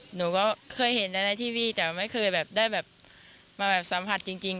หนูก็เคยเห็นนะในทีวีแต่ไม่เคยแบบได้แบบมาแบบสัมผัสจริง